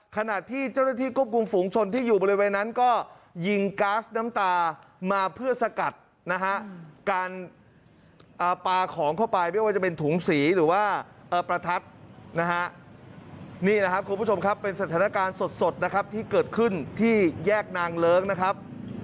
ขณะที่เจ้าหน้าที่ควบคุมฝูงชนที่อยู่บริเวณนั้นก็ยิงก๊าซน้ำตามาเพื่อสกัดนะฮะการปลาของเข้าไปไม่ว่าจะเป็นถุงสีหรือว่าประทัดนะฮะนี่แหละครับคุณผู้ชมครับเป็นสถานการณ์สดนะครับที่เกิดขึ้นที่แยกนางเลิ้งนะครับ